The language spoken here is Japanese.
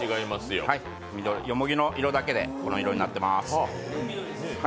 よもぎの色だけで、この色になっています。